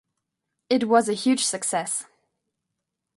It was a huge success.